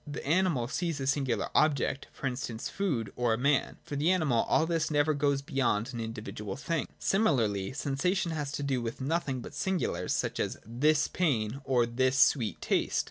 The animal sees a singular object, for instance, its food, or a man. For the animal all this never goes beyond an individual thing. Similarly, sensation has to do with nothing but singulars, such as this pain or this sweet taste.